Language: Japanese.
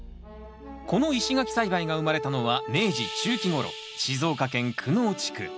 この石垣栽培が生まれたのは明治中期ごろ静岡県久能地区。